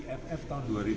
eff tahun dua ribu dua belas